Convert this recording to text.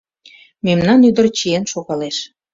Мемнан ӱдыр чиен шогалеш.